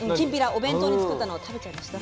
お弁当に作ったのを食べちゃいました。